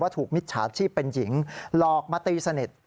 ถูกมิจฉาชีพเป็นหญิงหลอกมาตีสนิท